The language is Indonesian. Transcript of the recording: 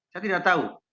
saya tidak tahu